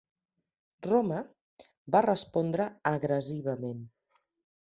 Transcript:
Roma va respondre agressivament.